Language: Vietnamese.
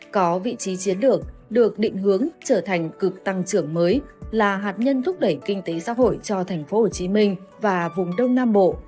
có vị trí chiến lược được định hướng trở thành cực tăng trưởng mới là hạt nhân thúc đẩy kinh tế xã hội cho thành phố hồ chí minh và vùng đông nam bộ